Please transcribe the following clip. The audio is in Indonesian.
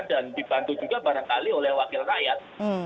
dan dibantu juga barangkali oleh wakil rakyat